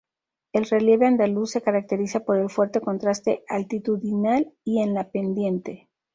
El relieve andaluz se caracteriza por el fuerte contraste altitudinal y en la pendiente.